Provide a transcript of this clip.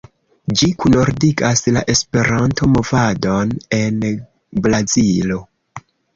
Ĝi kunordigas la Esperanto-movadon en Brazilo.